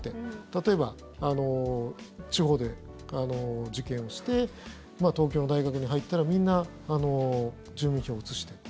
例えば、地方で受験をして東京の大学に入ったらみんな、住民票を移して。